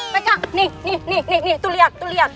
pegang nih nih nih tuh liat tuh liat